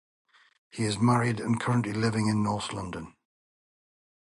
He is married and currently living in North London.